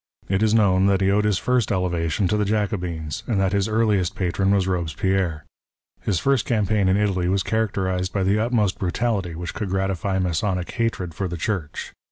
It is known that he owed his first elevation to the Jacobins, and that his earliest patron was Robespierre. His first campaign in Italy was characterized by tlie utmost brutality which cou.ld gratify Masonic hatred for the Church.